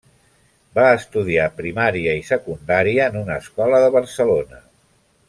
Va estudiar primària i secundària en una escola de Barcelona.